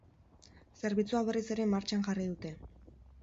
Zerbitzua berriz ere martxan jarri dute.